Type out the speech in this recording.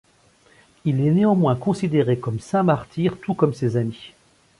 Il est néanmoins considéré comme saint martyr, tout comme ses amis.